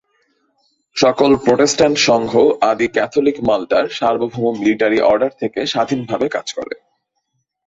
সকল প্রোটেস্ট্যান্ট সংঘ আদি ক্যাথোলিক মাল্টার সার্বভৌম মিলিটারি অর্ডার থেকে স্বাধীনভাবে কাজ করে।